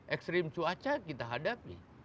ekstrim cuaca kita hadapi